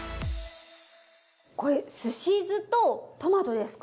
これすし酢とトマトですか。